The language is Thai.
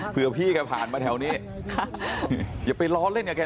เพื่อพี่แกผ่านมาแถวนี้อย่าไปล้อเล่นกับแก